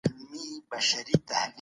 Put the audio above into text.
جزيه بايد په ټاکلي وخت ورکړل سي.